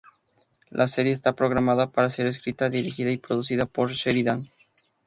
La serie está programada para ser escrita, dirigida y producida por Sheridan.